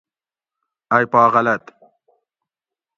ائی پا غلط